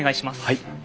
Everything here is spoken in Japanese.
はい。